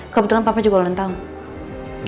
kebetulan papa juga lontong